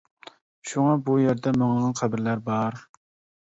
شۇڭا بۇ يەردە مىڭلىغان قەبرىلەر بار.